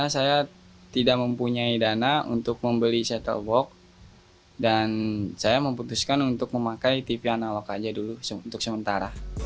saya tidak mempunyai dana untuk membeli settle box dan saya memutuskan untuk memakai tv analog aja dulu untuk sementara